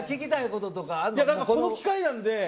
この機会なんで。